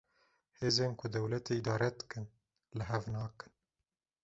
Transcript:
Hêzên ku dewletê îdare dikin, li hev nakin